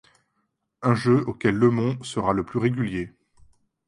Un jeu auquel LeMond sera le plus régulier.